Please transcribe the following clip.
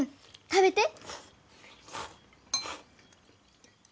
食べて！